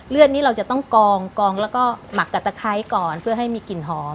เลือดนี้เราจะต้องกองแล้วก็หมักกับตะไคร้ก่อนเพื่อให้มีกลิ่นหอม